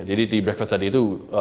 jadi di breakfast tadi itu